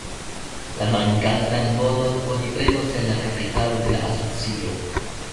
La mankantan monon oni prenos el la kapitalo de la asocio.